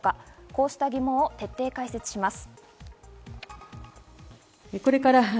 こうした疑問を今朝は徹底解説します。